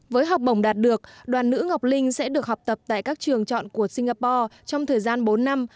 với học bổng đạt được đoàn nữ ngọc linh sẽ được học tập tại các trường chọn của singapore trong thời gian bốn năm